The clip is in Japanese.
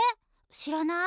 知らない。